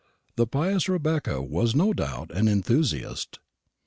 The pious Rebecca was no doubt an enthusiast.